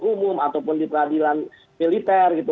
umum ataupun di peradilan militer gitu